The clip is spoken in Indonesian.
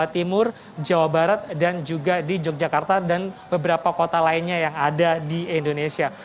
timur jawa barat dan juga di yogyakarta dan beberapa kota lainnya yang ada di indonesia